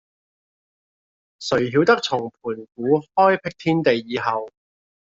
誰曉得從盤古開闢天地以後，